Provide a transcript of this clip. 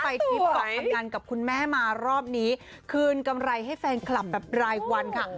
ทริปก่อนทำงานกับคุณแม่มารอบนี้คืนกำไรให้แฟนคลับแบบรายวันค่ะ